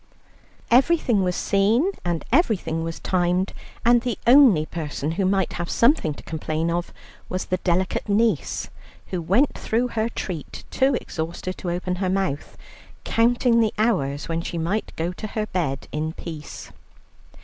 Everything was seen and everything was timed, and the only person who might have something to complain of, was the delicate niece, who went through her treat too exhausted to open her mouth, counting the hours when she might go to her bed in peace.